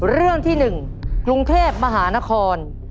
เรื่องที่๑กรุงเทพมหานคร